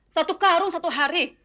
satu karung satu hari